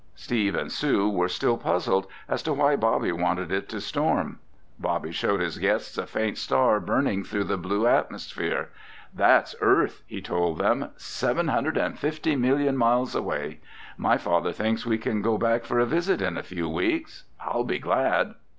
Steve and Sue were still puzzled as to why Bobby wanted it to storm. Bobby showed his guests a faint star burning through the blue atmosphere. "That's Earth," he told them, "750 million miles away. My father thinks we can go back for a visit in a few weeks. I'll be glad."